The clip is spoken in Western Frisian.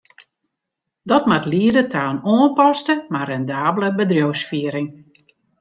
Dat moat liede ta in oanpaste, mar rendabele bedriuwsfiering.